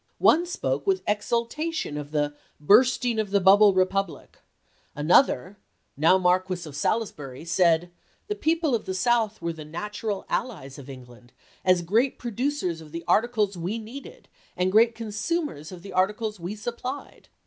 One spoke with exultation of the " bursting of the bubble republic "; another, now Marquis of Salisbury, said " the people of the South were the natural allies of England, as gi'eat pro ducers of the articles we needed, and gi eat con sumers of the articles we supplied.